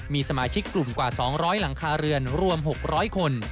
มีสมาชิกกลุ่มกว่า๒๐๐หลังคาเรือนรวม๖๐๐คน